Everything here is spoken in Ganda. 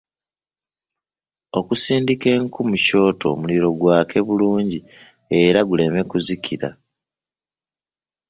Okusindika enku mu kyoto omuliro gwake bulungi era guleme okuzikira.